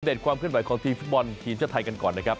ความเคลื่อนไหวของทีมฟุตบอลทีมชาติไทยกันก่อนนะครับ